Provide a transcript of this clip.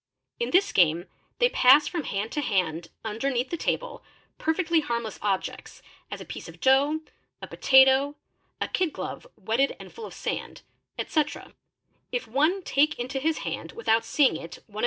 © In this game they pass from hand to hand underneath the table per fectly harmless objects, as a piece of dough, a potatoe, a kid glove wetted — and full of sand, etc. If one take into his hand without seeing it one of